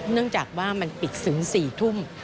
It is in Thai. เนื่องจากว่ามันปิดถึง๔ทุ่ม